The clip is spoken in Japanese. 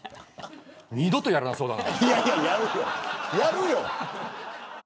二度とやらなそうだな。